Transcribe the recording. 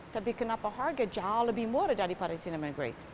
tapi kenapa harga jauh lebih murah daripada cinema negeri